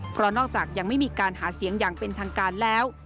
เพราะนอกจากยังไม่มีการหาเสียงอย่างเป็นทางการแล้ว